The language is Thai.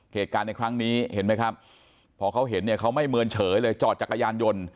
เหตุการณ์ในครั้งนี้เห็นไหมครับพอเขาเห็นเนี่ยเขาไม่เมินเฉยเลยจอดจักรยานยนต์